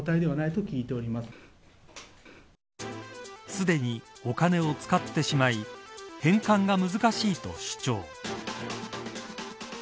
すでにお金を使ってしまい返還が難しいと主張。